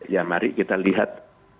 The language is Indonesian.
ya mari kita lihat